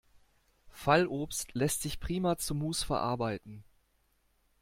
Fallobst lässt sich prima zu Muß verarbeiten.